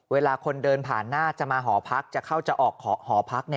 เวลาคนเดินผ่านหน้าจะมาหอพักจะเข้าจะออกหอพัก